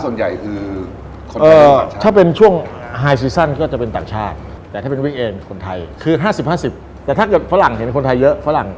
สำหรับวิธีชีวิตของคนไทยจริง